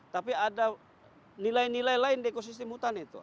tapi ada nilai nilai lain di ekosistem hutan itu